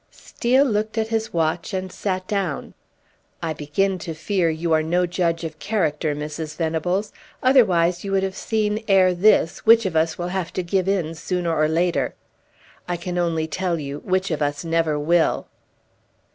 Steel looked at his watch and sat down. "I begin to fear you are no judge of character, Mrs. Venables; otherwise you would have seen ere this which of us will have to give in sooner or later. I can only tell you which of us never will!"